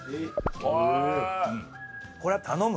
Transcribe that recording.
これ頼む！